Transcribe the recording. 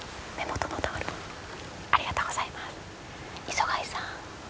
磯貝さん